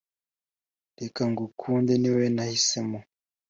reka ngukunde niwowe nahise mo